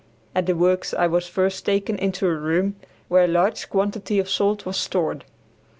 At the works I was first taken into a room where a large quantity of salt was stored.